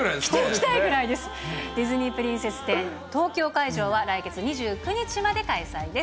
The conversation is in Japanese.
ディズニープリンセス展、東京会場は来月２９日まで開催です。